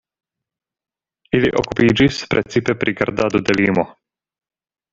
Ili okupiĝis precipe pri gardado de limo.